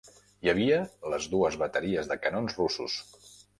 Hi havia les dues bateries de canons russos